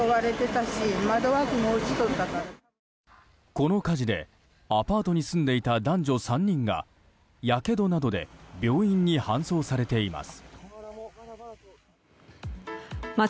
この火事でアパートに住んでいた男女３人がやけどなどで病院に搬送されています。